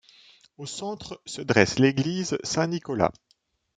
Au centre se dresse l’église Saint-Nicolas.